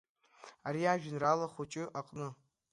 Ари ажәеинраала хәыҷы аҟны.